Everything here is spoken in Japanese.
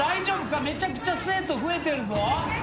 めちゃくちゃ生徒増えてるぞ。